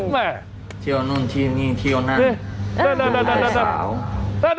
แม่เฉียวนี่เฉียวนั่น